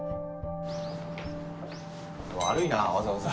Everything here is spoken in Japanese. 悪いなわざわざ。